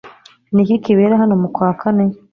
Ni iki kibera hano mu kwa kane?